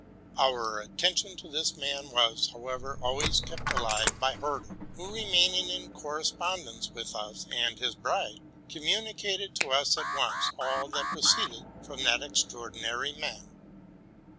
Our inter est in this man was, however, always kept alive by Herder, who, remaining in correspondence with us and his betrothed, 106 TRUTH AND FICTION communicated to us at once all that proceeded from that extraordinary man.